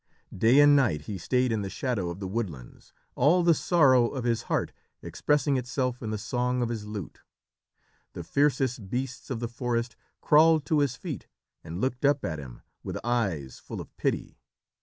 Day and night he stayed in the shadow of the woodlands, all the sorrow of his heart expressing itself in the song of his lute. The fiercest beasts of the forest crawled to his feet and looked up at him with eyes full of pity.